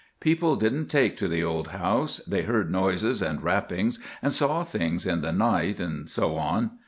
People didn't take to the old house; they heard noises and rappings, and saw things in the night, and so on.